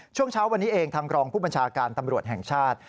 ช่วงเช้าวันนี้เองทางรองผู้บัญชาการตำรวจแห่งชาติ